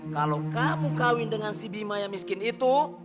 kalau kamu kawin dengan si bima yang miskin itu